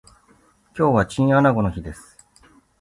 今日はチンアナゴの日です